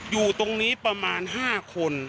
อยู่ตรงนี้ประมาณ๕คน